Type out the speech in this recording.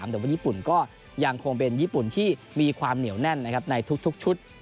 แต่ว่าญี่ปุ่นก็ยังคงเป็นญี่ปุ่นที่มีความเหนียวแน่นในทุกชุด